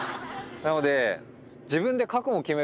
なので。